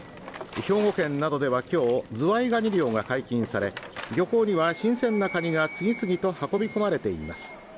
兵庫県などでは今日ズワイガニ漁が解禁され漁港には新鮮なカニが次々と運び込まれています